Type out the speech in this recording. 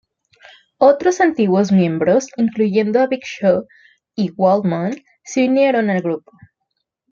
Otros antiguos miembros, incluyendo a Big Show y Waltman, se unieron al grupo.